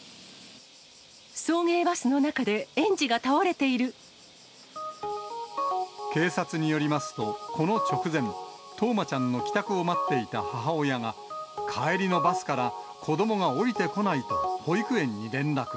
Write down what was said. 送迎バスの中で園児が倒れて警察によりますと、この直前、冬生ちゃんの帰宅を待っていた母親が、帰りのバスから子どもが降りてこないと、保育園に連絡。